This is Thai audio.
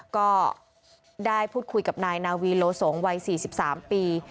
ก็ได้พูดคุยกับนายนาวีโลสงวัย๔๓ปี